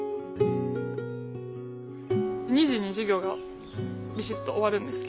２時に授業がビシッと終わるんですけど。